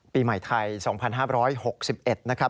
ปีใหม่ไทยสองพันห้าร้อยหกสิบเอ็ดนะครับ